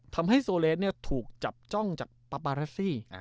ทำให้โซเลสเนี่ยถูกจับจ้องจับปราบาราซี